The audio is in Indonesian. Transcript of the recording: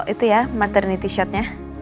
itu ya maternity shotnya